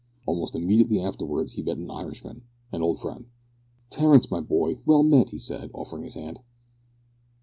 Almost immediately afterwards he met an Irishman, an old friend. "Terence, my boy, well met!" he said, offering his hand.